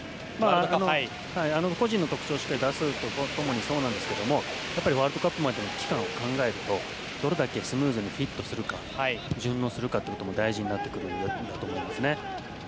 個人の特徴をしっかり出すこともそうなんですけどもワールドカップの期間を考えるとどれだけスムーズにフィットするか順応するかも大事になってくるんだと思います。